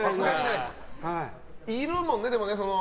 いるもんね。